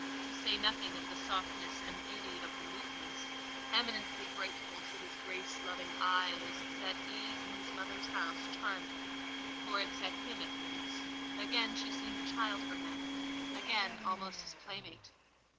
To say nothing of the softness and beauty of the movements, eminently grateful to his grace loving eye, that ease in his mother's house charmed him, for it set him at ease: again she seemed a child for him—again, almost his playmate.